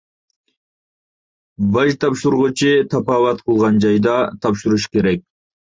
باج تاپشۇرغۇچى تاپاۋەت قىلغان جايدا تاپشۇرۇشى كېرەك.